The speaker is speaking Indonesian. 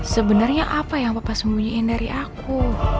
sebenarnya apa yang bapak sembunyiin dari aku